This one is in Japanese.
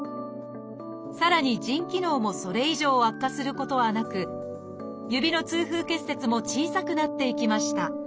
さらに腎機能もそれ以上悪化することはなく指の痛風結節も小さくなっていきました